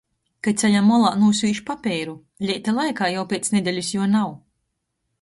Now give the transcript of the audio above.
Ka ceļa molā nūsvīž papeiru, leita laikā jau piec nedelis juo nav.